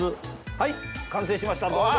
完成しましたどうぞ！